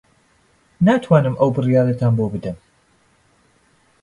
ناتوانم ئەو بڕیارەتان بۆ بدەم.